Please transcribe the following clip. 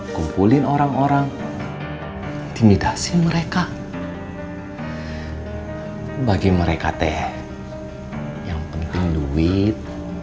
kumpulin orang orang intimidasi mereka bagi mereka teh yang penting duit